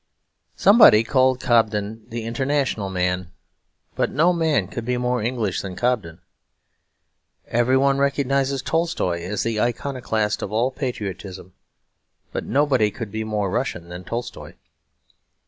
Somebody called Cobden the International Man; but no man could be more English than Cobden. Everybody recognises Tolstoy as the iconoclast of all patriotism; but nobody could be more Russian than Tolstoy.